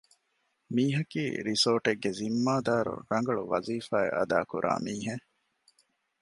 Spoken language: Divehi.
މީހަކީ ރިސޯޓެއްގެ ޒިންމާދާރު ރަނގަޅު ވަޒީފާއެއް އަދާކުރާ މީހެއް